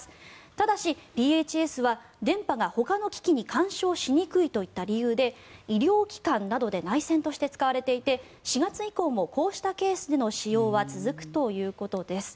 ただし、ＰＨＳは電波がほかの機器に干渉しにくいといった理由で医療機関などで内線として使われていて４月以降もこうしたケースでの使用は続くということです。